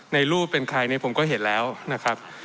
ในรูปเป็นใครเนี่ยผมก็เห็นแล้วนะครับ